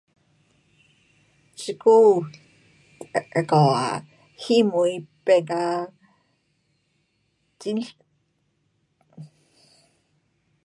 这久 um 那个啊，戏院变嘎很 [unintelligible]